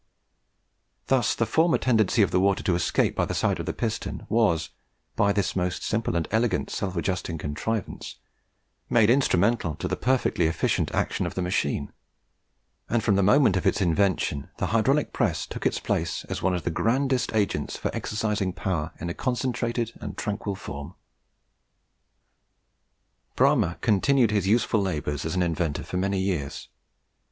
Thus, the former tendency of the water to escape by the side of the piston was by this most simple and elegant self adjusting contrivance made instrumental to the perfectly efficient action of the machine; and from the moment of its invention the hydraulic press took its place as one of the grandest agents for exercising power in a concentrated and tranquil form. Bramah continued his useful labours as an inventor for many years.